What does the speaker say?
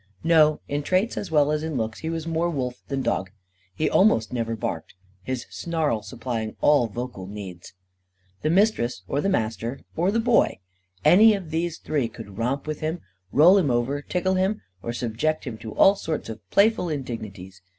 No, in traits as well as in looks, he was more wolf than dog. He almost never barked, his snarl supplying all vocal needs. The Mistress or the Master or the Boy any of these three could romp with him, roll him over, tickle him, or subject him to all sorts of playful indignities.